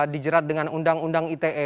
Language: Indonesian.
dijerat dengan undang undang ite